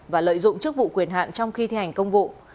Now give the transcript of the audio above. và lợi dụng chức vụ quyền hạn trong khi thi hành công vụ